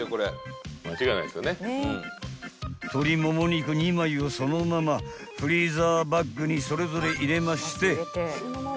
［鶏もも肉２枚をそのままフリーザーバッグにそれぞれ入れまして］